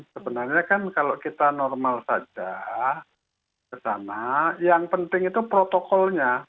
sebenarnya kan kalau kita normal saja ke sana yang penting itu protokolnya